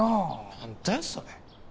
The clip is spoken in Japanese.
何だよそれ。